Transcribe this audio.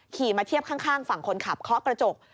มาเทียบข้างฝั่งคนขับเคาะกระจก